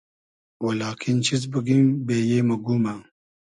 و لاکین چیز بوگیم بېیې مۉ گومۂ